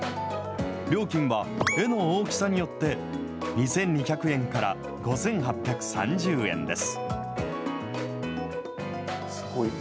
料金は絵の大きさによって、２２００円から５８３０円です。